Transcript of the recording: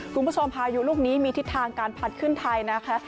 คุณผู้ชมพายุลูกนี้มีทิศทางการผลัดขึ้นไทยนะคะ